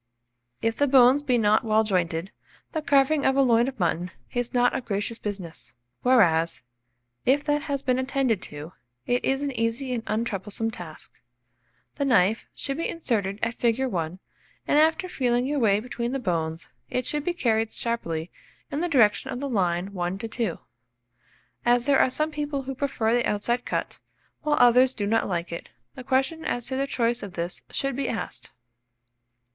If the bones be not well jointed, the carving of a loin of mutton is not a gracious business; whereas, if that has been attended to, it is an easy and untroublesome task. The knife should be inserted at fig. 1, and after feeling your way between the bones, it should be carried sharply in the direction of the line 1 to 2. As there are some people who prefer the outside cut, while others do not like it, the question as to their choice of this should be asked.